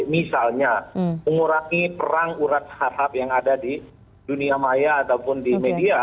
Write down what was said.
misalnya mengurangi perang urat harhab yang ada di dunia maya ataupun di media